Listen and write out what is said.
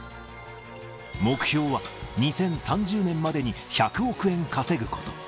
目標は、２０３０年までに１００億円稼ぐこと。